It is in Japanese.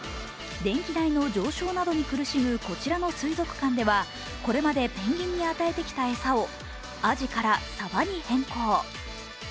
電気代の上昇などに苦しむこちらの水族館では、これまでペンギンに与えてきた餌をあじからさばに変更。